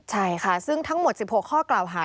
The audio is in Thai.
ใช่ค่ะซึ่งทั้งหมด๑๖ข้อกล่าวหา